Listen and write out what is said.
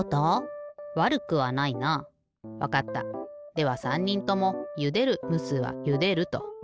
では３にんともゆでるむすはゆでると。